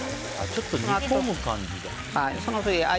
ちょっと煮込む感じだ。